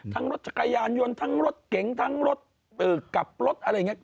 ทั้งรถกายยานยนต์ทั้งรถเก๋งทั้งรถกลับรถอะไรอย่างเงี้ย